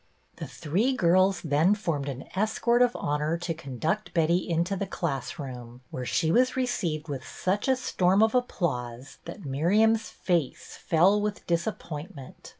The three girls then formed an escort of honor to conduct Betty into the class room, where she was received with such a storm of applause that Miriam's face fell with disap pointment.